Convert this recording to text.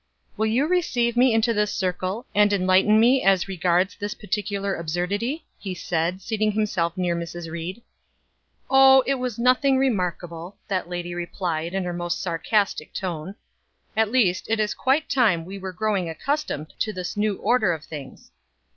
"Will you receive me into this circle, and enlighten me as regards this particular absurdity," he said, seating himself near Mrs. Ried. "Oh it was nothing remarkable," that lady replied in her most sarcastic tone. "At least it is quite time we were growing accustomed to this new order of things.